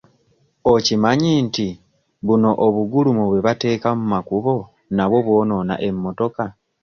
Okimanyi nti buno obugulumo bwe bateeka mu makubo nabwo bwonoona emmotoka?